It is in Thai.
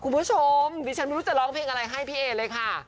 คุณผู้ชมดิฉันไม่รู้จะร้องเพลงอะไรให้พี่เอเลยค่ะ